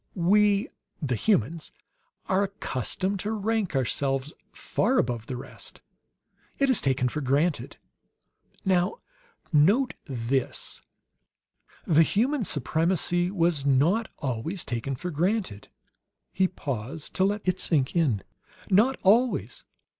We, the humans, are accustomed to rank ourselves far above the rest. It is taken for granted. "Now, note this: the human supremacy was not always taken for granted." He paused to let it sink in. "Not always.